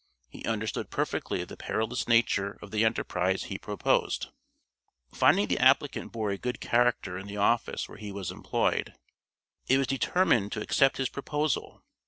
He understood perfectly the perilous nature of the enterprise he proposed. Finding that the applicant bore a good character in the office where he was employed, it was determined to accept his proposal.